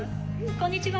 「こんにちは」。